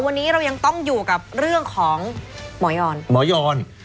วันนี้เรายังต้องอยู่กับเรื่องของหมอยอนหมอยอน